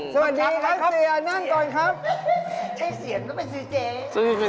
แปบนี่ใช้ผอบยอบอะไรครัยเนี่ย